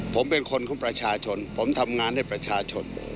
ผมเป็นคนของประชาชนผมทำงานให้ประชาชน